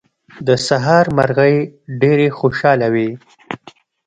د سهار مرغۍ ډېرې خوشاله وې.